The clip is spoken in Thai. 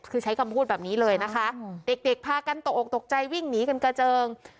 คือใช้คำพูดแบบนี้เลยนะคะเด็กพากันตกออกตกใจวิ่งหนีกันกระเจิง